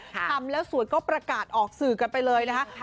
ทำแล้วสวยก็ประกาศออกสื่อกันไปเลยนะคะ